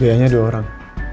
biaya nya dua orang